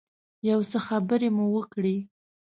یو څه خبرې مو وکړې.